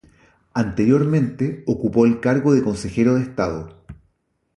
Anteriormente ocupó el cargo de consejero de Estado.